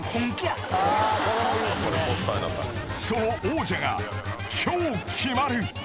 ［その王者が今日決まる］